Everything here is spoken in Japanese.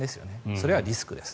それはリスクです。